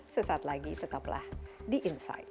sesaat lagi tetaplah di insight